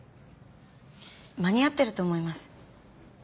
間に合ってると思います。